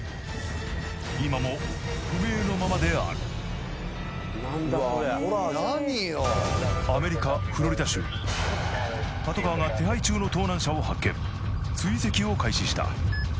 今も不明のままであるパトカーが手配中の盗難車を発見追跡を開始した